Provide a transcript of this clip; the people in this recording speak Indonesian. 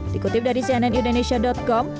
dikutip dari cnnindonesia com